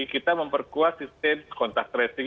kita memperkuat kontak tracing